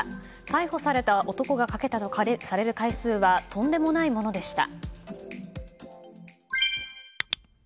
逮捕された男がかけたとされる回数はとんでもないものでした。